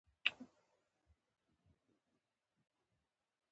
خو که ملک صاحب لږ څه را وټوخېږي.